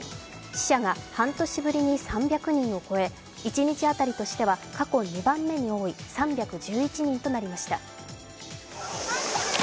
死者が半年ぶりに３００人を超え一日当たりとしては過去２番目に多い３１１人となりました。